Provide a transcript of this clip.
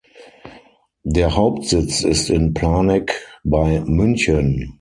Der Hauptsitz ist in Planegg bei München.